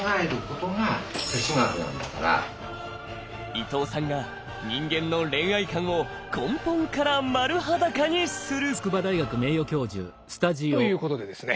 伊藤さんが人間の恋愛観を根本から丸裸にする！ということでですね